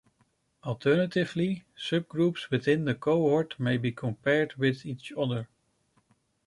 Alternatively, subgroups within the cohort may be compared with each other.